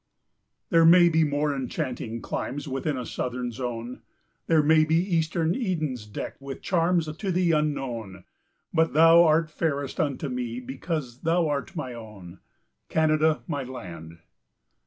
There may be more enchanting climes Within a southern zone; There may be eastern Edens deckt With charms to thee unknown; But thou art fairest unto me, Because thou art mine own, Canada, my land.